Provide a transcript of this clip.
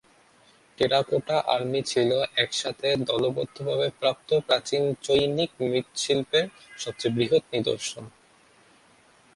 Terracotta army ছিল একসাথে দলবদ্ধভাবে প্রাপ্ত প্রাচীন চৈনিক মৃৎশিল্পের সবচেয়ে বৃহৎ নিদর্শন।